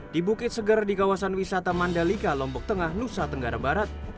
di bukit segar di kawasan wisata mandalika lombok tengah nusa tenggara barat